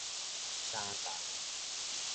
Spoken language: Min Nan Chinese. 相同